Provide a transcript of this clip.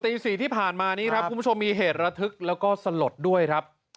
ตี๔ที่ผ่านมานี้ครับคุณผู้ชมมีเหตุระทึกแล้วก็สลดด้วยครับ